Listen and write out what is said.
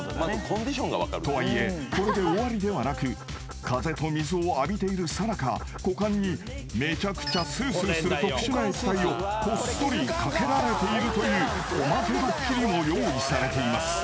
［とはいえこれで終わりではなく風と水を浴びているさなか股間にめちゃくちゃスースーする特殊な液体をこっそり掛けられているというおまけドッキリも用意されています］